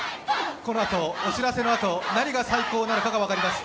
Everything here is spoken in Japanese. このあと、お知らせのあと何が最高なのかが分かります。